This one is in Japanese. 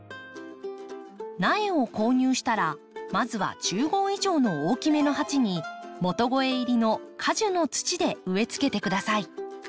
苗を購入したらまずは１０号以上の大きめの鉢に元肥入りの果樹の土で植えつけてください。